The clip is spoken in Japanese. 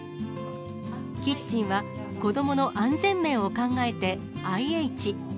キッチンは子どもの安全面を考えてＩＨ。